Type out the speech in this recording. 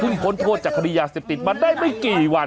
พ้นโทษจากคดียาเสพติดมาได้ไม่กี่วัน